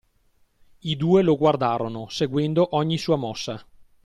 I due lo guardarono, seguendo ogni sua mossa.